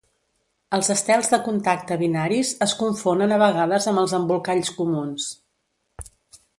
Els estels de contacte binaris es confonen a vegades amb els embolcalls comuns.